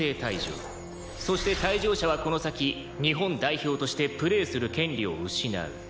そして退場者はこの先日本代表としてプレーする権利を失う。